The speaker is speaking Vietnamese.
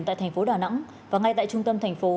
tại thành phố đà nẵng và ngay tại trung tâm thành phố